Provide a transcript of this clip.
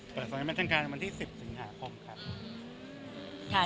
อุปกรณ์สอนแรงแม่ทางการมันที่๑๐สิงหาคมครับ